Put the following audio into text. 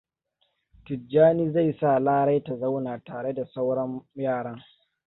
Tijjani zai sa Lare ta zauna tare da sauran yaran.